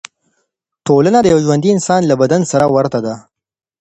ټولنه د یو ژوندي انسان له بدن سره ورته ده.